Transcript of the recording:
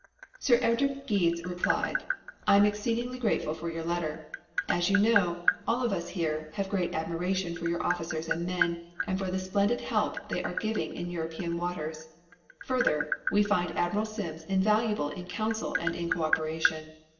Sir Eric Geddes replied: "I am exceedingly grateful for your letter. As you know we, all of us here, have great admiration for your officers and men, and for the splendid help they are giving in European waters. Further, we find Admiral Sims invaluable in council and in co operation.